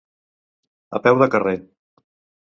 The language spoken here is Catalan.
A peu de carrer.